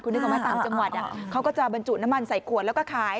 นึกออกไหมต่างจังหวัดเขาก็จะบรรจุน้ำมันใส่ขวดแล้วก็ขาย